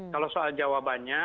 kalau soal jawabannya